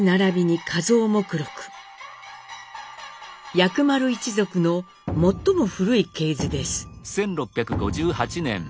薬丸一族の最も古い系図です。